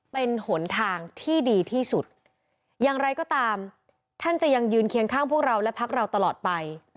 เป็นหนทางที่ดีที่สุดอย่างไรก็ตามท่านจะยังยืนเคียงข้างพวกเราและพักเราตลอดไป